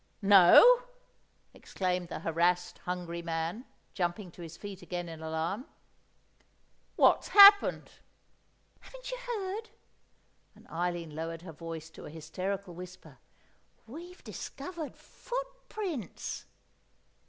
"No!" exclaimed the harassed, hungry man, jumping to his feet again in alarm. "What's happened?" "Haven't you heard?" and Eileen lowered her voice to an hysterical whisper. "_We've discovered footprints!